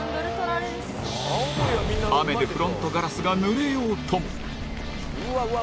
雨でフロントガラスがぬれようとも。